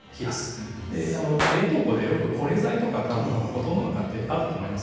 冷凍庫でよく保冷剤とかたぶんほとんどの家庭あると思います。